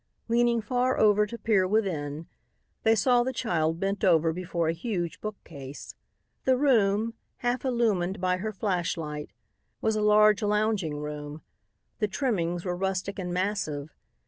Leaning far over to peer within, they saw the child bent over before a huge bookcase. The room, half illumined by her flashlight, was a large lounging room. The trimmings were rustic and massive.